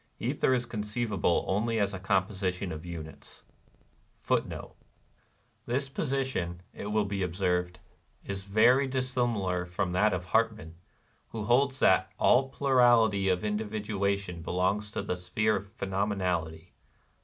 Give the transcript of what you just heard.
Ether is conceivable only as a composition of units. ^ 1 This position, it wUl be observed, is very dissimilar from that of Hartmann, who holds that '' all plurality of individuation belongs to the sphere of phenomenality."